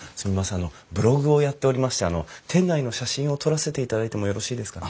あのブログをやっておりまして店内の写真を撮らせていただいてもよろしいですかね？